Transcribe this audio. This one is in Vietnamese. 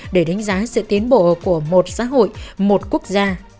để đánh giá sự tiến bộ của một xã hội một quốc gia